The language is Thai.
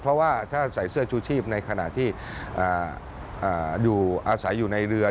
เพราะว่าถ้าใส่เสื้อชูชีพในขณะที่อยู่อาศัยอยู่ในเรือ